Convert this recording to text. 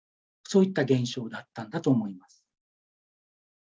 そういった現象があったんだと思います。